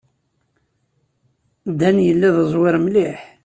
Dan yella d uẓwir mliḥ.